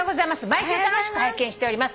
毎週楽しく拝見しております」